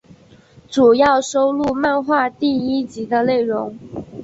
主要收录漫画第一集的内容。